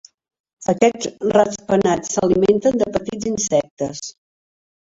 Aquests ratpenats s'alimenten de petits insectes.